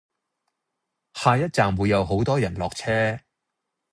下個站會有好多人落車